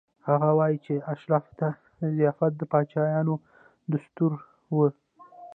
هغه وايي چې اشرافو ته ضیافت د پاچایانو دستور و.